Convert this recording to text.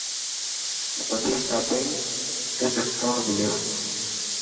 وڏي شاپنگ تي دسڪائونٽ مليو.